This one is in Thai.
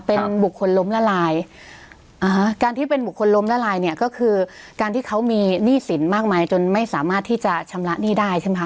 เป็นบุคคลล้มละลายอ่าการที่เป็นบุคคลล้มละลายเนี่ยก็คือการที่เขามีหนี้สินมากมายจนไม่สามารถที่จะชำระหนี้ได้ใช่ไหมคะ